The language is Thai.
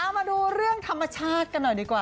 เอามาดูเรื่องธรรมชาติกันหน่อยดีกว่า